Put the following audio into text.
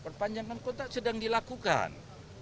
perpanjangan kontrak sedang dilakukan